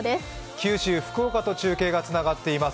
九州・福岡と中継がつながっています。